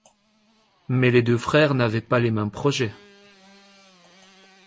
Mais les deux frères n’avaient pas les mêmes projets.